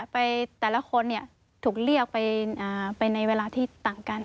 แต่ละคนถูกเรียกไปในเวลาที่ต่างกัน